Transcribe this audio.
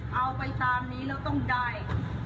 เอาไปตามนี้แล้วต้องได้